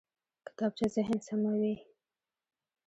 کتابچه ذهن سموي